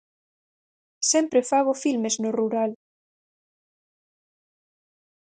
Sempre fago filmes no rural.